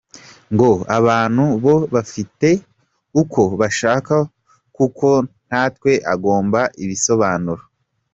Ngo abantu bo babifate uko bashaka kuko ntawe agomba ibisobanuro.